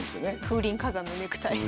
風林火山のネクタイ。